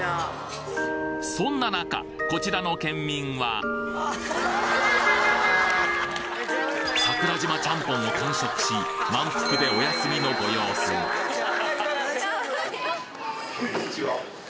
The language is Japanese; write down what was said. そんな中こちらの県民は桜島ちゃんぽんを完食し満腹でお休みのご様子こんにちは。